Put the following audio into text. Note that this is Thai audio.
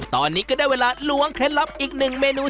ตอนนี้ก็ได้เวลาล้วงเคล็ดลับอีกหนึ่งเมนู